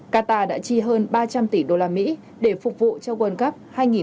qatar đã chi hơn ba trăm linh tỷ usd để phục vụ cho world cup hai nghìn hai mươi